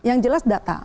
yang jelas data